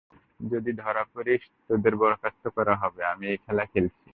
যদি ধরা পড়িস, তোদের বরখাস্ত করা হবে আমি এই খেলা খেলছি না।